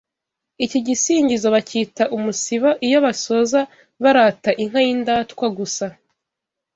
Iki gisingizo bacyita umusibo iyo basoza barata inka y’indatwa gusa